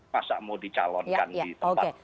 masa mau dicalonkan di tempat